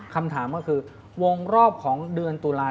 คำถามก็คือวงรอบของเดือนตุลาค